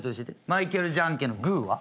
マイケルじゃんけんのグーは？